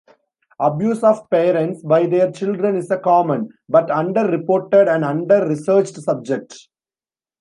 Abuse of parents by their children is a common but under-reported and under-researched subject.